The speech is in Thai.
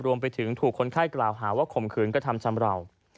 รวมไปถึงถูกคนไข้กล่าวหาว่าข่มขืนกระทำชำราว